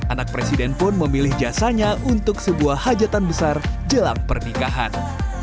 anak presiden pun memilih jasanya untuk sebuah hajatan besar jelang pernikahan